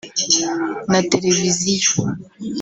na televisiyo